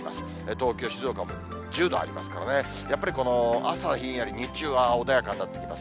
東京、静岡も１０度ありますからね、やっぱり、朝ひんやり、日中は穏やかになってきます。